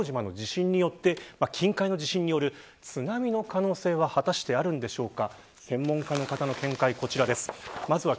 この八丈島の地震によって津波の可能性は果たしてあるんでしょうか。